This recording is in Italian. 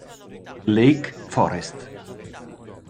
Lake Forest